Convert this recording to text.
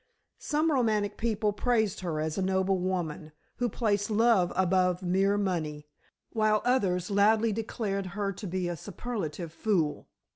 Some romantic people praised her as a noble woman, who placed love above mere money, while others loudly declared her to be a superlative fool.